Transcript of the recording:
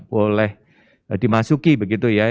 boleh dimasuki begitu ya